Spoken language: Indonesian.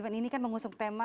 ini kan mengusung tema